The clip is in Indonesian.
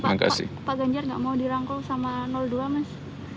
pak ganjar gak mau dirangkul sama dua mas